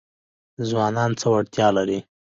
ځوانان څه وړتیا لري؟